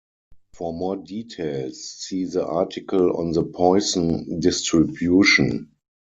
For more details, see the article on the Poisson distribution.